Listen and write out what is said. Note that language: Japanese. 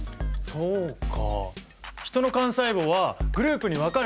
そうか。